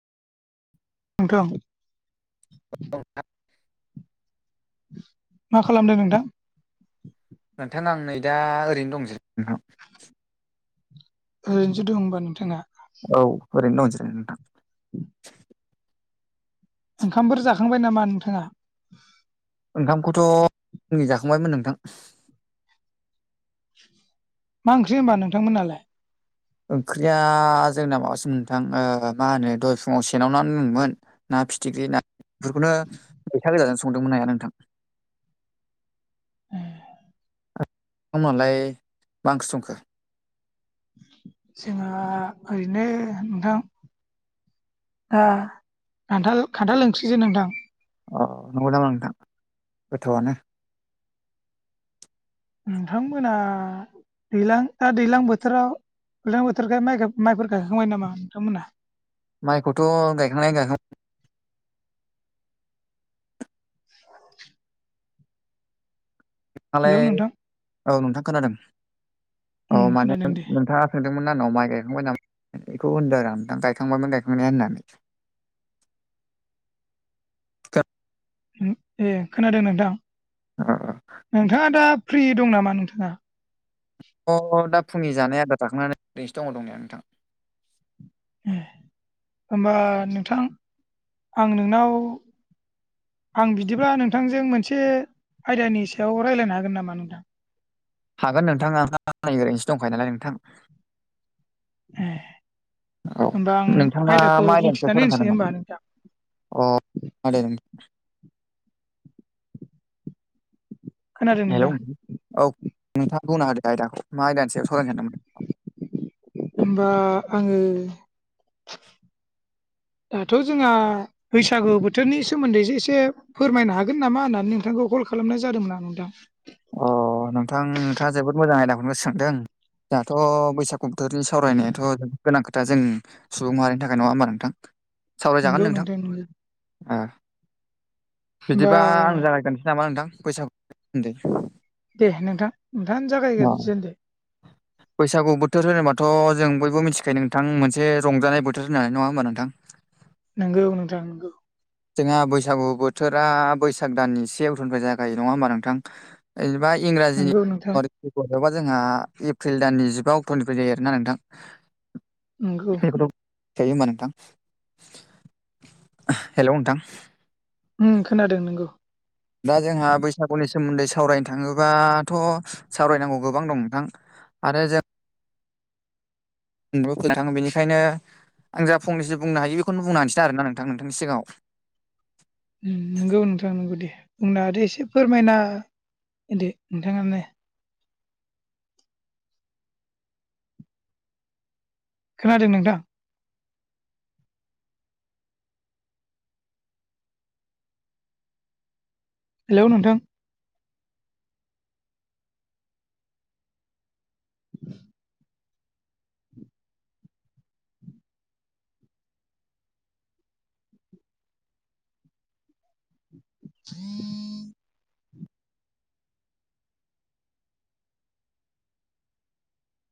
नोंथां [unintelligible] मा खालामदों नोंथां नोंथां आं नै दा ओरैनो दं जिरायना नोंथां ओरैनोसो दं होमबा नोंथाङा औै ओरैनो दं जिरायना नोंथां [inaudible] ओंखामफोर जाखांबाय नामा नोंथाङा ओंखामखौथ फुंनि जाखांबायमोन नोंथां मा ओंख्रि होनबा नोंथांमोननालाय ओंख्रिया जोंना माबासोमोन नोंथां ओ मा होनो दहाय फुङाव सेनाव ना‌ नांदोंमोन ना फिथिख्रि ना बेफोरखौनो मैथा गोजाजों संदोंमोन आया नोंथां ए नोंथांमोनहालाय मा ओंख्रि संखो जोंहा ओरैनो नोंथां ओ खान्थाल खान्थाल ओंख्रिसो नोंथां अ नंगौ नामा नोंथां गोथावानो नोंथांमोना दैलां दा दैलां बोथोराव दैलां बोथोरखाय माइगाब माइफोर गायखांबाय नामा नोंथांमोनहा माइखौथ गायखांनाय गाखां [inaudible] हेलौ नालाय नोंथां औ नोंथां खोनादों औ उम माने खोनादों दे नोंथाङा सोंदोंमोन आंनाव माइ गायखांबाय नाम बेखौ होनदों आरो आं नोंथां गायखांबायमोन गायखांनाया होननानै ए खोनादों नोंथां ओ नोंथाङा दा फ्रि दं नामा नोंथाङा अ दा फुंनि जानाय आदा जाखांनानै ओैरैनोसो दङ दंनाया नोंथां ए होनबा नोंथां आं नोंनाव आं बिदिब्ला नोंथांजों मोनसे आयदानि सायाव रायज्लायनो हागोन नामा नोंथां हागोन नोंथां आं ओरैनोसो दंखायो नालाय नोंथां ए औ होनोमबा आं नोंथाङा आयदाखौ मा आयदानि सायाव बुंथिनानै सावरायनो होनसै सानदोंमोन? होमबा नोंथां अ खोनादों खोनादों हेलौ नोंथां औ नोंथाङा बुंना होद आयदाखौ मा आयदानिसायाव सरायनो सानदोंमोन होनबा आङो दाथ' जोंहा बैसागु बोथोरनि सोमोन्दैसो एसे फोरमायनो हागोन नामा होननानै नोंथांखौ कल खालामनाय जादोंमोना नोंदां अ नोंथां नोंथाङा जोबोद मोजां आयदाखौनो सोंदों जोंहाथ' बैसाग कक्टरनि सावरायनायाथ' जोबोद गोनां खोथा जों सुबुं माहारिनि थाखाय नङा होनबा नोंथां नोंगौ सावरायजागोन नोंथां नोंगौ होमबा बिदिबा आं जागायगोनसै नामा नोंथां बैसागुदै दे नोंथां नोंथाङानो जागायगजोन दे बैसागु बोथोर होनोबाथ' जों बयबो मिथिखायो नोंथां मोनसे रंजानाय बोथोर होननानै नङा होनोमबा नोंथां नंगौ नोंथां नंगौ जोंहा बैसागु बोथोरा बैसाग दाननि से उथ'निफ्राय जागायो नङा होमबा नोंथां जेनेबा इंराजिनि नोंगौ नोंथां हबा जोंहा एप्रिल दाननि जिबा अक्ट'निफ्राय जायो आरोना नोंथां नोंगौ बेख थायो होमबा नोंथां हेलौ नोंथां खोनादों नोंगौ दा जोंहा बैसागुनि सोमोन्दै सावरायनो थाङोबाथ' सावरायनांगौ गोबां दं नोंथां आरो जों बेनिखायनो आं जा फंनैसो बुंनो हायो बेखौनो बुं हनोसै आरोना नोंथां नोंथांनि सिाङाव नंगौ नोंथां नोंगौ दे बुंना दे एसे फोरमायना होदो नोंथाङानो खोनादों नोंथां हेलौ नोंथां [inaudible]